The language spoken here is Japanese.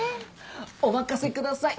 お任せください。